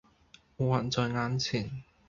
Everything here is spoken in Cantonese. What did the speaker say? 還在眼前。